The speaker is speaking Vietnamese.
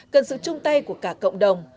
cần sự chung tay của cả cộng đồng